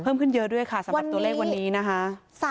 เพิ่มขึ้นเยอะด้วยค่ะสำหรับตัวเลขวันนี้นะคะ